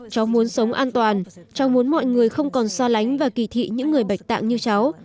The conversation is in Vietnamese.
cháu muốn sống an toàn cháu muốn mọi người không còn so lánh và kỳ thị những người bạch tạng như cháu